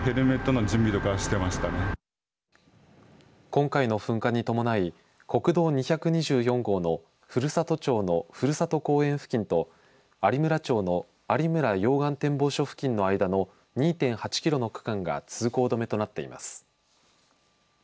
今回の噴火に伴い国道２２４号の古里町の古里公園付近と有村町の有村溶岩展望所付近の間の２．８キロの区間が通行止めとなっています。